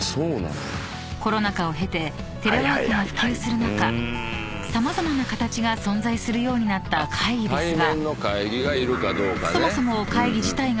［コロナ禍を経てテレワークが普及する中様々な形が存在するようになった会議ですがそもそも］